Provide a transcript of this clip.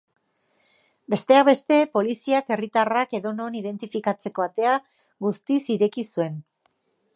Besteak beste, poliziak herritarrak edonon identifikatzeko atea guztiz ireki zuen.